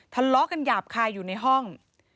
ทะเลาะกันหยาบคายอยู่ในห้อง